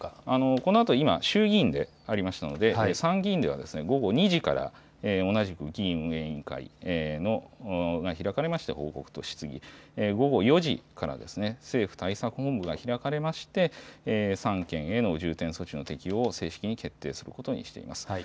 このあと今、衆議院でありましたので、参議院ではごご２時から、同じく議院運営委員会が開かれまして、報告と質疑、午後４時から政府対策本部が開かれまして、３県への重点措置の適用を正式に決定することにしています。